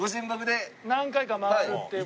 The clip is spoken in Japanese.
何回か回るっていう事。